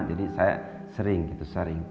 jadi saya sering sering